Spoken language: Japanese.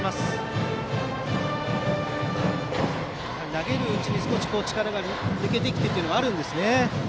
投げるうちに少し力が抜けてきてというのはあるんでしょうね。